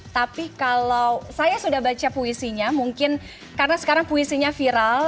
tapi kalau saya sudah baca puisinya mungkin karena sekarang puisinya viral